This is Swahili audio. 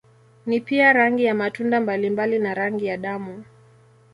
Ni pia rangi ya matunda mbalimbali na rangi ya damu.